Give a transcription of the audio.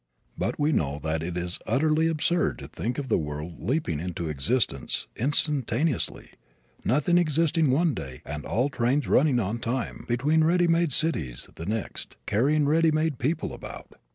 But we know that it is utterly absurd to think of the world leaping into existence instantaneously nothing existing one day and all trains running on time between ready made cities the next, carrying ready made people about.